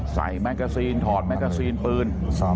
ใส่แม็กซีนถอดแม็กซีนปืน